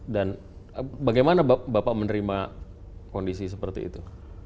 dan bagaimana bapak menerima kondisi seperti itu